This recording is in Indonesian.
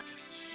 ngar nih kenalan